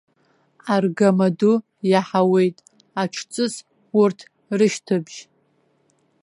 Аргамаду иаҳауеит аҽҵыс урҭ рышьҭыбжь.